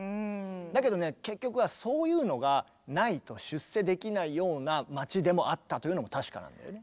だけどね結局はそういうのがないと出世できないような街でもあったというのも確かなんだよね。